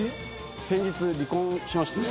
先日離婚しまして。